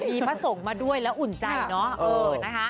มีมาส่งมาด้วยแล้วอุ่นใจเนอะ